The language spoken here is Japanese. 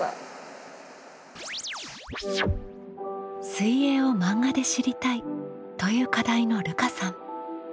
「水泳を漫画で知りたい」という課題のるかさん。